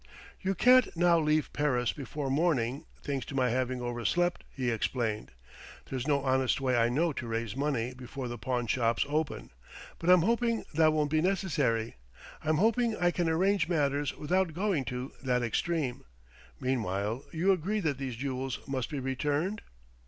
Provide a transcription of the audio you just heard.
"You can't now leave Paris before morning thanks to my having overslept," he explained. "There's no honest way I know to raise money before the pawn shops open. But I'm hoping that won't be necessary; I'm hoping I can arrange matters without going to that extreme. Meanwhile, you agree that these jewels must be returned?"